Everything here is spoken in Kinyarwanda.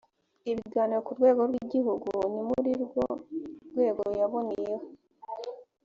ibiganiro ku rwego rw igihugu ni muri urwo rwego yaboneyeho